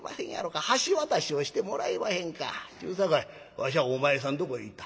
わしゃお前さんとこへ行った。